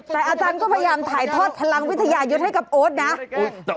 แต่อาจารย์ก็พยายามถ่ายทอดพลังวิทยายุทธ์ให้กับโอ๊ตนะ